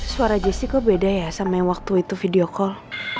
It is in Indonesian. suara jessica beda ya sama yang waktu itu video call